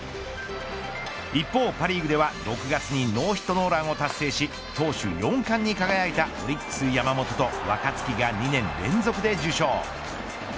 一方パ・リーグでは６月にノーヒットノーランを達成し投手４冠に輝いたオリックス山本と若月が２年連続で受賞。